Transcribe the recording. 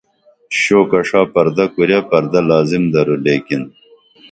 شوقہ ݜا پردہ کُریہ پردہ لازم درو لیکن